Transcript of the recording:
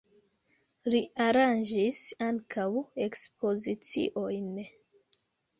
Li aranĝis ankaŭ ekspoziciojn.